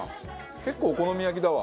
結構お好み焼きだわ。